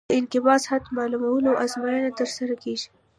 د انقباض حد معلومولو ازموینه ترسره کیږي